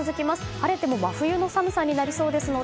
晴れても真冬の寒さになりそうですので